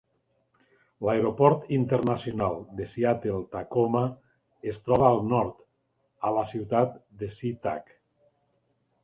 L'aeroport internacional de Seattle-Tacoma es troba al nord, a la ciutat de SeaTac.